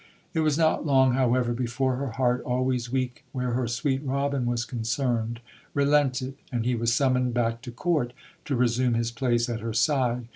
It was not long, however, before her heart, always weak where her "sweet Robin" was concerned, relented; and he was summoned back to Court to resume his place at her side.